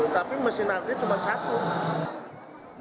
tapi mesin agri cuma satu